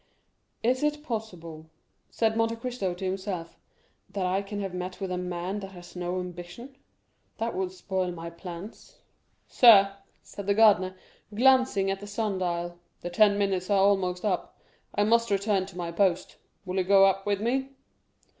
"Is it possible," said Monte Cristo to himself, "that I can have met with a man that has no ambition? That would spoil my plans." "Sir," said the gardener, glancing at the sun dial, "the ten minutes are almost up; I must return to my post. Will you go up with me?"